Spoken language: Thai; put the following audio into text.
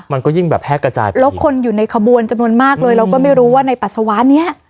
มันก็ยิ่งแบบแพร่กระจายไปแล้วคนอยู่ในขบวนจำนวนมากเลยเราก็ไม่รู้ว่าในปัสสาวะเนี้ย